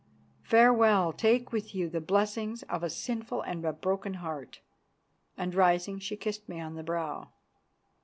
Farewell. Take with you the blessing of a sinful and a broken heart," and, rising, she kissed me on the brow.